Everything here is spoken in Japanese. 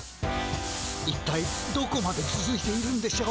いったいどこまでつづいているんでしょう。